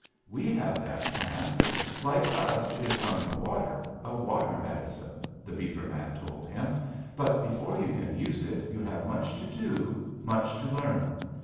"'We have that plant; like us it is from the water, a water medicine,' the beaver man told him; 'but before you can use it you have much to do, much to learn.